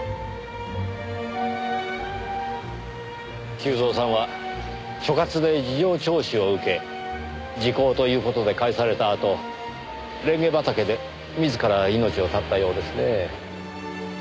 久造さんは所轄で事情聴取を受け時効という事で帰されたあとレンゲ畑で自ら命を絶ったようですねぇ。